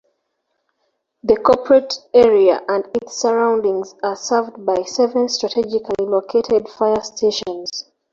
The corporate area and its surroundings are served by seven strategically located fire stations.